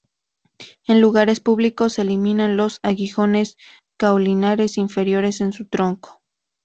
En lugares públicos se eliminan los aguijones caulinares inferiores de su tronco.